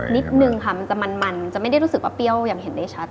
นิดนึงค่ะมันจะมันจะไม่ได้รู้สึกว่าเปรี้ยวอย่างเห็นได้ชัด